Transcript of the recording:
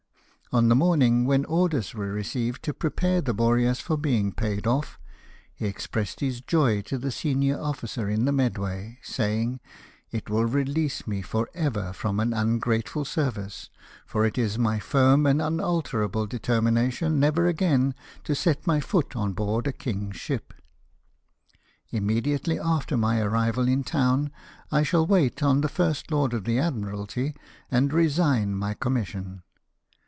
On the morning when orders were received to prepare the Boreas for being paid off, he expressed his joy to the senior officer in the Medway, saying, " It will release me for ever from an ungrateful service, for it is my firm and unalterable determination never again to set my foot on board a king's ship. Immediately after my arrival in town I shall wait on the First Lord of the Admiralty, and resign my commission."